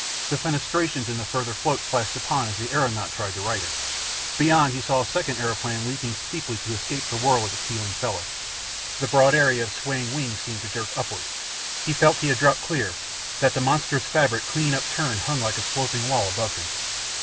The fenestrations in the further float flashed open as the aeronaut tried to right her. Beyond, he saw a second aeroplane leaping steeply to escape the whirl of its heeling fellow. The broad area of swaying wings seemed to jerk upward. He felt he had dropped clear, that the monstrous fabric, clean overturned, hung like a sloping wall above him.